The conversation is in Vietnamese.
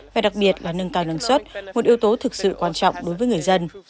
và đặc biệt là nâng cao năng suất một yếu tố thực sự quan trọng đối với người dân